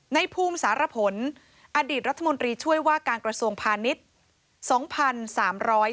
ในภูมิสารผลอดีตรัฐมนตรีช่วยว่าการกระทรวงพาณิชย์